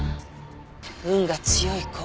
運が強い子。